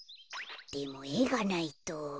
でもえがないと。